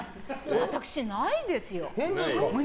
私ないですよ！